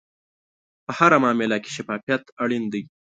په هره معامله کې شفافیت اړین دی.